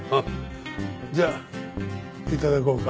じゃあ頂こうか。